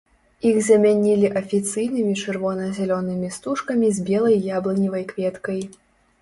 Іх замянілі афіцыйнымі чырвона-зялёнымі стужкамі з белай яблыневай кветкай.